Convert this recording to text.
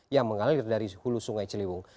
yang mengalir dari hulu sungai ciliwung